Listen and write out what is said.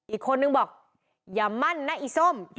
อีกคนนึงบอกอย่ามั่นนะอีส้ม